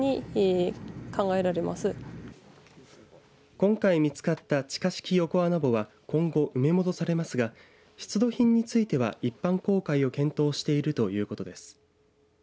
今回見つかった地下式横穴墓は今後、埋め戻されますが出土品については一般公開を検討しているということです。